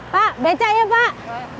pak becak ya pak